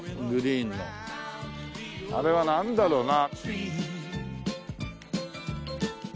あれはなんだろうな？